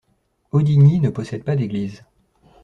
Audignies ne possède pas d'église.